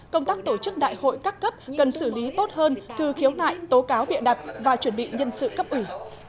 công tác tổ chức đại hội các cấp cần xử lý tốt hơn thư khiếu nại tố cáo bịa đặt và chuẩn bị nhân sự cấp ủy